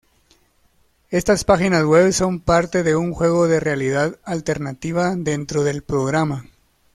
Estas páginas web son parte de un juego de realidad alternativa dentro del programa.